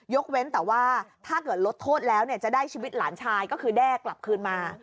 เว้นแต่ว่าถ้าเกิดลดโทษแล้วจะได้ชีวิตหลานชายก็คือแด้กลับคืนมา